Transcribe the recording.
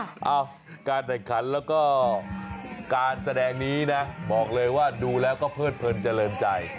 เอ้าการแข่งขันแล้วก็การแสดงนี้นะบอกเลยว่าดูแล้วก็เพิดเพลินเจริญใจ